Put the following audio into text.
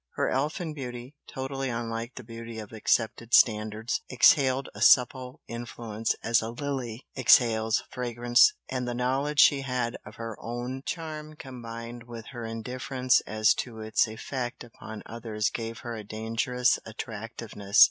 Her elfin beauty, totally unlike the beauty of accepted standards, exhaled a subtle influence as a lily exhales fragrance and the knowledge she had of her own charm combined with her indifference as to its effect upon others gave her a dangerous attractiveness.